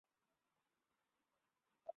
সা সুই মারমা গলাভর্তি এলাচি ঢালল।